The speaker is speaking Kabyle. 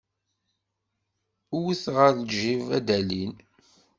Wwet ɣar lǧib, ad d-alin.